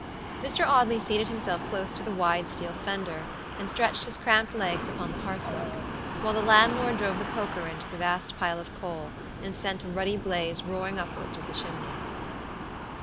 Mr. Audley seated himself close to the wide steel fender, and stretched his cramped legs upon the hearth rug, while the landlord drove the poker into the vast pile of coal, and sent a ruddy blaze roaring upward through the chimney.